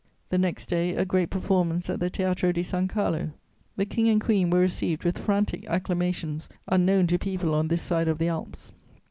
The next day, a great performance at the Teatro di San Carlo; the King and Queen were received with frantic acclamations unknown to people on this side of the Alps.